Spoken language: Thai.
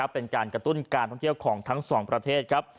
เป็นการกระตุ้นการเที่ยวของทั้ง๒ประเทศ